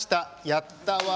やったわ！